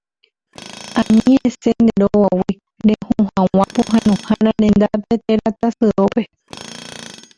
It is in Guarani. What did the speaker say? Ani resẽ nde rógagui reho hag̃ua pohãnohára rendápe térã tasyópe.